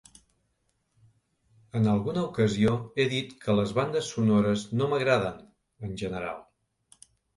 En alguna ocasió he dit que les bandes sonores no m'agraden, en general.